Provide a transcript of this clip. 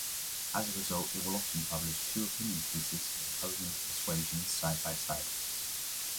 As a result, it will often publish two opinion pieces of opposing persuasions, side-by-side.